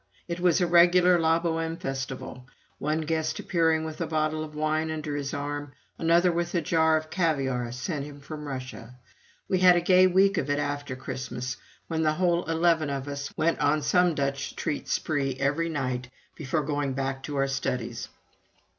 It was a regular "La Bohême" festival one guest appearing with a bottle of wine under his arm, another with a jar of caviare sent him from Russia. We had a gay week of it after Christmas, when the whole eleven of us went on some Dutch treat spree every night, before going back to our studies.